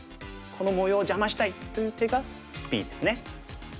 この模様を邪魔したいという手がＢですね。